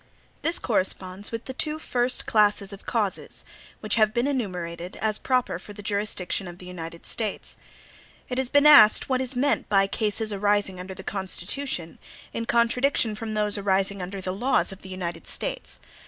This corresponds with the two first classes of causes, which have been enumerated, as proper for the jurisdiction of the United States. It has been asked, what is meant by "cases arising under the Constitution," in contradiction from those "arising under the laws of the United States"?